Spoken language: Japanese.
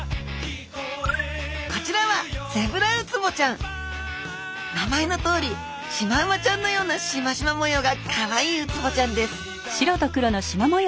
こちらは名前のとおりシマウマちゃんのようなシマシマ模様がかわいいウツボちゃんです